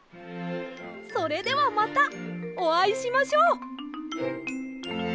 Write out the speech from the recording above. それではまたおあいしましょう！